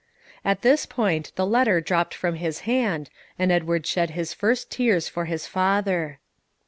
'" And at this point the letter dropped from his hand, and Edward shed his first tears for his father.